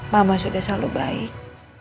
mama sudah selalu baik